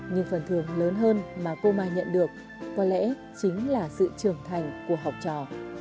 nhưng phần thường lớn hơn mà cô mai nhận được có lẽ chính là sự trưởng thành của học trò